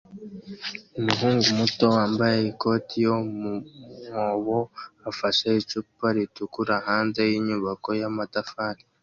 Umuhungu muto wambaye ikoti yo mu mwobo afashe icupa ritukura hanze yinyubako y'amatafari